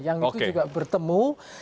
yang itu juga bertemu